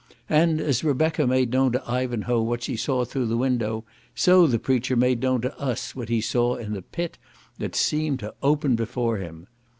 And as Rebecca made known to Ivanhoe what she saw through the window, so the preacher made known to us what he saw in the pit that seemed to open before him.